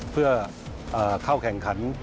เพื่อเข้าแข่งขัน